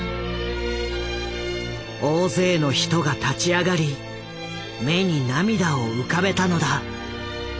大勢の人が立ち上がり目に涙を浮かべたのだ。